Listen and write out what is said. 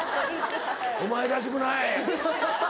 お前らしくない。